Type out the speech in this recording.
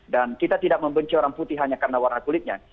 dan kita tidak membenci orang putih hanya karena warna kulitnya